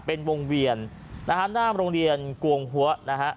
เป็นวงเวียนนะฮะหน้าโรงเรียนกวงหัวนะฮะ